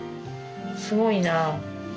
すごいな。